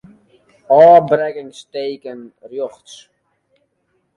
Ofbrekkingsteken rjochts.